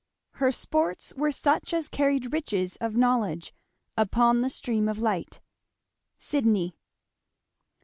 Her sports were such as carried riches of knowledge upon the stream of light. Sidney.